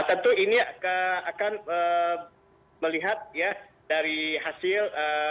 tentu ini akan melihat ya dari hasil